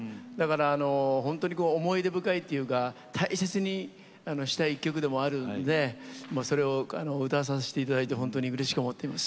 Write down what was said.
本当に思い出深いというか大切にしたい１曲でもあるそれを歌わさせていただいて本当にうれしく思っています。